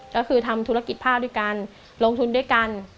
ก็คือทำธุรกิจผ้าด้วยกันลงทุนด้วยกัน